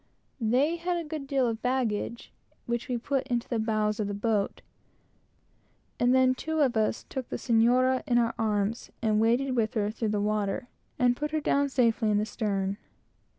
They had a good deal of baggage, which we put into the bows of the boat, and then two of us took the señora in our arms, and waded with her through the water, and put her down safely in the stern.